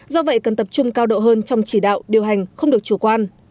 do vậy cần tập trung cao độ hơn trong chỉ đạo điều hành không được chủ quan